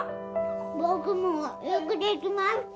僕もよくできました！